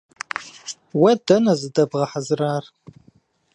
Уэ дэнэ зыздэбгъэхьэзырар?